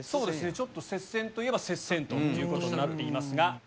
ちょっと接戦といえば接戦ということになっていますが。